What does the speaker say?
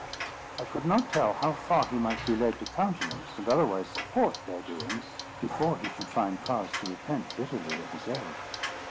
I could not tell how far he might be led to countenance, and otherwise support their doings, before he should find cause to repent bitterly of his error.